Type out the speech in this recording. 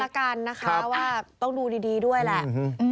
มาบ้านละกันนะคะว่าต้องดูดีด้วยแหละ